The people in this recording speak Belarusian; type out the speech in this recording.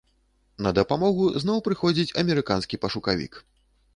На дапамогу зноў прыходзіць амерыканскі пашукавік.